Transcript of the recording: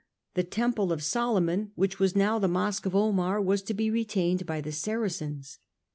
The Temple of Solomon, which was now the Mosque of Omar, was to be retained by the Saracens.